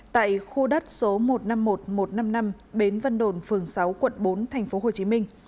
tại khu đất số một trăm năm mươi một một trăm năm mươi năm bến vân đồn phường sáu quận bốn tp hcm